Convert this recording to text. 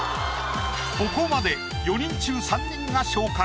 ここまで４人中３人が昇格。